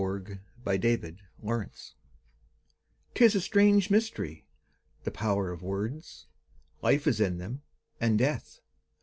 The Power of Words 'TIS a strange mystery, the power of words! Life is in them, and death.